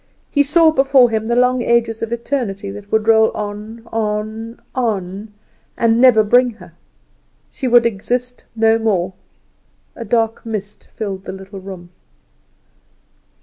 He saw before him the long ages of eternity that would roll on, on, on, and never bring her. She would exist no more. A dark mist filled the little room.